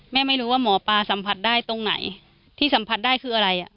ไม่รู้ว่าหมอปลาสัมผัสได้ตรงไหนที่สัมผัสได้คืออะไรอ่ะ